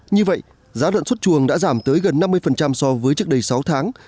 như vậy giá lợn xuất chuồng đã giảm tới gần năm mươi so với trước đây sáu tháng